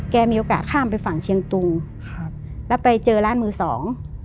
มีโอกาสข้ามไปฝั่งเชียงตุงครับแล้วไปเจอร้านมือสอง